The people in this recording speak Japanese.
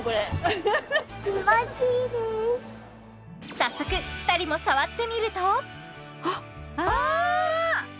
早速２人も触ってみるとあっあ！